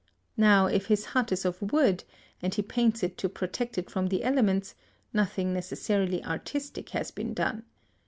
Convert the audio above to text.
Now if his hut is of wood, and he paints it to protect it from the elements, nothing necessarily artistic has been done.